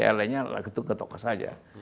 alanya ketuk ketuk saja